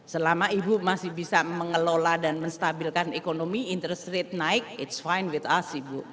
selama ibu masih bisa mengelola dan menstabilkan ekonomi interest rate naik it s fine with us